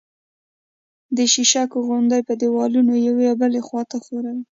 د شیشکو غوندې په دېوالونو یوې او بلې خوا ته ښوري